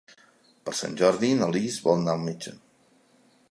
Per Sant Jordi na Lis vol anar al metge.